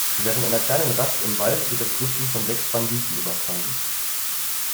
Während einer kleinen Rast im Wald wird das Grüppchen von sechs Banditen überfallen.